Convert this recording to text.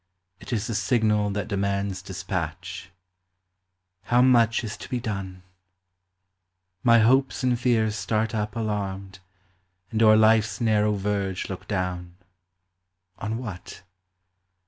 It is the signal that demands despatch ; How much is to be done ! my hopes and fears Start up alarmed, and o'er life's narrow verge Look down — on what?